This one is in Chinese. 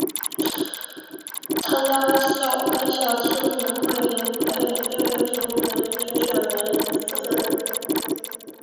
参加该校青年会并被推选为负责人。